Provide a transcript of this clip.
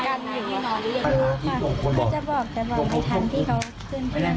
ผมจะบอกแต่บอกไม่ทันที่เขาขึ้น